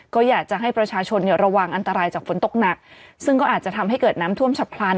ก็อยากจะให้ประชาชนเนี่ยระวังอันตรายจากฝนตกหนักซึ่งก็อาจจะทำให้เกิดน้ำท่วมฉับพลัน